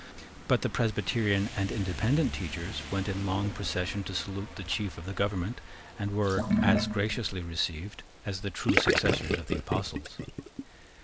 But the Presbyterian and Independent teachers went in long procession to salute the chief of the government, and were as graciously received as the true successors of the Apostles.